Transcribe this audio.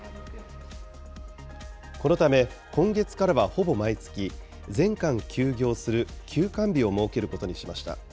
このため、今月からはほぼ毎月、全館休業する休館日を設けることにしました。